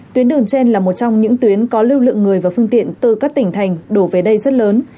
tuyến đường trên là một trong những tuyến có lưu lượng người và phương tiện từ các tỉnh thành đổ về đây rất lớn